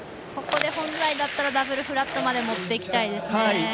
ここで本来だったらダブルフラットまで持っていきたいですね。